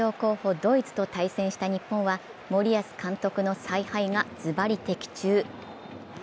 ドイツと対戦した日本は、森保監督の采配がずばり的中。